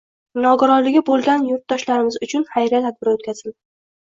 Nogironligi bo‘lgan yurtdoshlarimiz uchun xayriya tadbiri o‘tkazildi